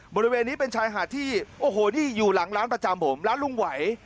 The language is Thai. บริเวณนี้เป็นชายหาดที่โอ้โหนี่อยู่หลังร้านประจำผมร้านลุงไหว